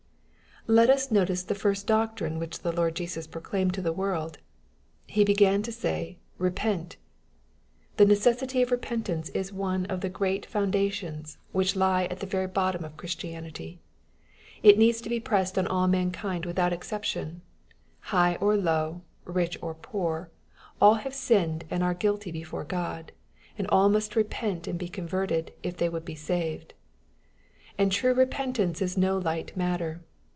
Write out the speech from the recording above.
Let us notice the first doctrine which the Lord Jesua proclaimed to the world. He began to say " repent." The necessity of repentance is one of the great founda^* MATTHEW^, CHAP. IT. 29 tions, which Ke at the very bottom of Christianity. It needs to be pressed on all mankind without exception.— High or low, rich or poor, all have sinned and are guilty before God ; and all must repent and be converted, if they would be saved. And true repentance is no light matter.